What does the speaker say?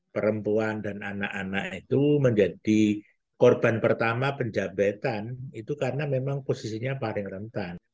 perempuan dan anak anak itu menjadi korban pertama penjabatan itu karena memang posisinya paling rentan